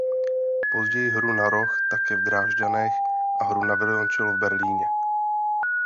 Později hru na roh také v Drážďanech a hru na violoncello v Berlíně.